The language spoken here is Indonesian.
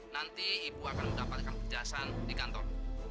nanti ibu akan mendapatkan kedasan di kantor